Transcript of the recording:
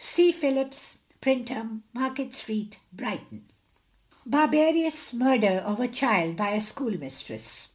C. Phillips, Printer, Market Street, Brighton. BARBAROUS MURDER OF A CHILD BY A SCHOOLMISTRESS.